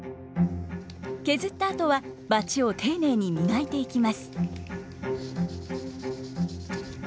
削ったあとはバチを丁寧に磨いていきます。